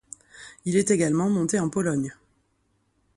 Il est également monté en Pologne.